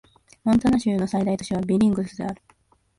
モンタナ州の最大都市はビリングスである